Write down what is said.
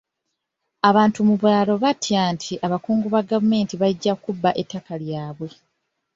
Abantu mu byalo batya nti abakungu ba gavumenti bajja kubba ettaka lyabwe.